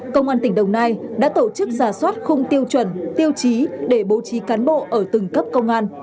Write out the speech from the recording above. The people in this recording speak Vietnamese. công an tỉnh đồng nai đã tổ chức giả soát khung tiêu chuẩn tiêu chí để bố trí cán bộ ở từng cấp công an